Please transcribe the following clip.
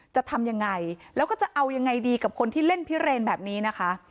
จะทำยังไงแล้วก็จะเอายังไงดีกับคนที่เล่นพิเรนแบบนี้นะคะ